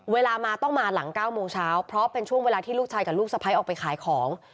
เวลามาต้องมาหลัง๙โมงเช้าเพราะเป็นช่วงเวลาที่ลูกชายกับลูกสะพ้ายออกไปขายของ